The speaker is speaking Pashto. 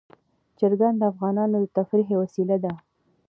چرګان د افغانانو د تفریح یوه وسیله ده.